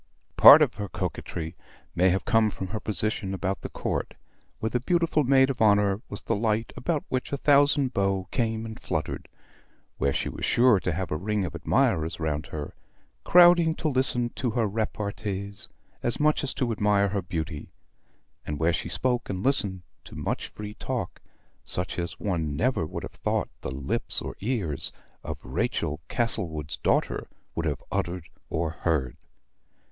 Part of her coquetry may have come from her position about the Court, where the beautiful maid of honor was the light about which a thousand beaux came and fluttered; where she was sure to have a ring of admirers round her, crowding to listen to her repartees as much as to admire her beauty; and where she spoke and listened to much free talk, such as one never would have thought the lips or ears of Rachel Castlewood's daughter would have uttered or heard.